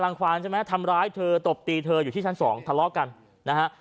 ความใช่ไหมทำร้ายเธอตบตีเธออยู่ที่ชั้นสองทะเลาะกันนะฮะ